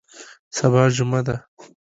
سبا جمعه ده